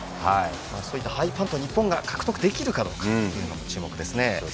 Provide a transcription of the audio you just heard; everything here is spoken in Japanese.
そういったハイパント日本が獲得できるかも注目ですね。